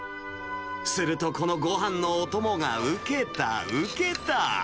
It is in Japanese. するとこのごはんのお供が受けた、受けた。